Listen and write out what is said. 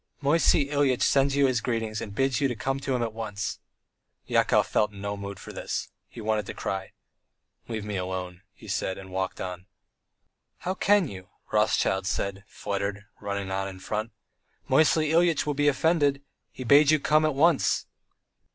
"Moisey Ilyitch sends you his greetings and bids you come to him at once." Yakov felt in no mood for this. He wanted to cry. "Leave me alone," he said, and walked on. "How can you," Rothschild said, fluttered, running on in front. "Moisey Ilyitch will be offended! He bade you come at once!"